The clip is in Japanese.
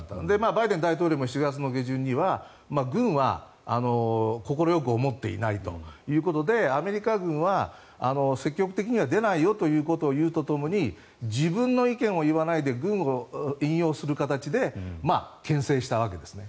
バイデン大統領も７月下旬には軍は快く思っていないということでアメリカ軍は積極的には出ないよということを言うとともに自分の意見を言わないで軍を引用する形でけん制したわけですね。